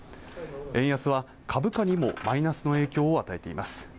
円安は株価にもマイナスの影響を与えています